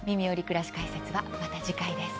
くらし解説」また次回です。